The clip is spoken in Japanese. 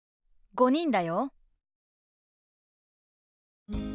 「５人だよ」。